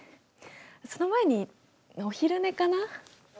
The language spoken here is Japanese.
その前にお昼寝かな。